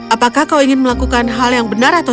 apakah kau ingin melakukan hal yang benar atau